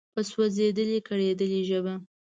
په سوزیدلي، کړیدلي ژبه